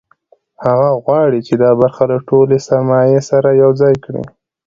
هغه غواړي چې دا برخه له ټولې سرمایې سره یوځای کړي